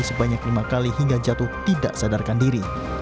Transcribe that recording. sebanyak lima kali hingga jatuh tidak sadarkan diri